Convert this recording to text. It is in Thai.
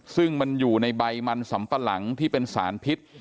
ซึ่งมันอยู่ในใบมันสำปะหลังที่เป็นสารพิษ